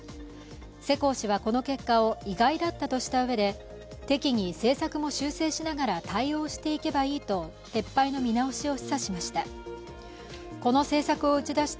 世耕氏はこの結果を意外だったとしたうえで、適宜、政策も修正しながら対応していけばいいと撤廃の見直しを示唆しました。